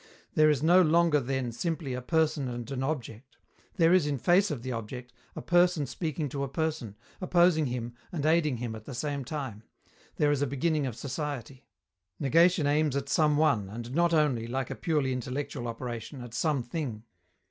There is no longer then, simply, a person and an object; there is, in face of the object, a person speaking to a person, opposing him and aiding him at the same time; there is a beginning of society. Negation aims at some one, and not only, like a purely intellectual operation, at some thing.